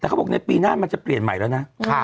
แต่เขาบอกในปีหน้ามันจะเปลี่ยนใหม่แล้วนะ